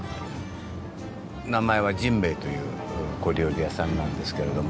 名前は甚兵衛という小料理屋さんなんですけれども。